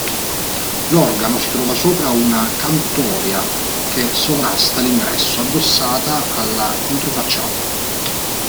L'organo si trova sopra una cantoria che sovrasta l'ingresso, addossata alla controfacciata.